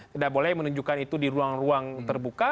tidak boleh menunjukkan itu di ruang ruang terbuka